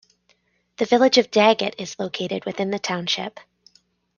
The village of Daggett is located within the township.